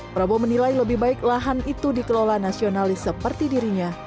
prabowo menilai lebih baik lahan itu dikelola nasionalis seperti dirinya